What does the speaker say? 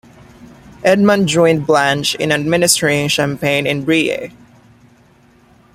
Edmund joined Blanche in administering Champagne and Brie.